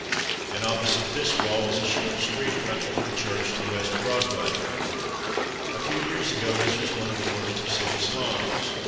And opposite this wall is a short street running from Church to West Broadway. A few years ago this was one of the worst of city slums.